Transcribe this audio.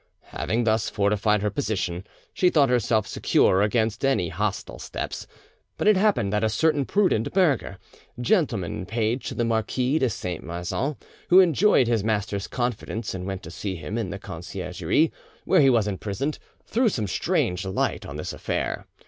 Having thus fortified her position, she thought herself secure against any hostile steps; but it happened that a certain prudent Berger, gentleman and page to the Marquis de Saint Maixent, who enjoyed his master's confidence and went to see him in the Conciergerie, where he was imprisoned, threw some strange light on this affair.